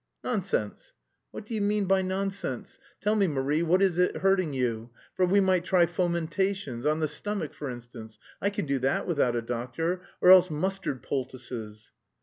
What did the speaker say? "Nonsense!" "What do you mean by nonsense? Tell me, Marie, what is it hurting you? For we might try fomentations... on the stomach for instance.... I can do that without a doctor.... Or else mustard poultices."